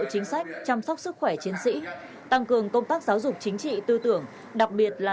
chính sách chăm sóc sức khỏe chiến sĩ tăng cường công tác giáo dục chính trị tư tưởng đặc biệt là